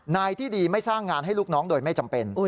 นายที่ดีไม่สร้างงานให้ลูกน้องโดยไม่จำเป็น